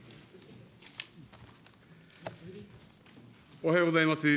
おはようございます。